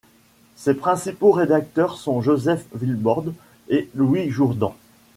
Ses principaux rédacteurs sont Joseph Vilbort et Louis Jourdan.